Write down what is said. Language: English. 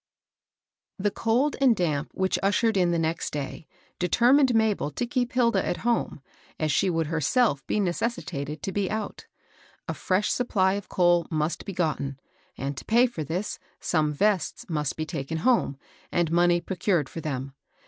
|HE cold and damp which ushered in the next day determined Mabel to keep Hilda at home, as she would herself be neces sitated to be out. A fresh supply of coal must be gotten ; and to pay for this, some vests must be taken home, and money procured for them.